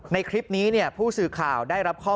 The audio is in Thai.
ในคลิปนี้ผู้สื่อข่าวได้รับความว่า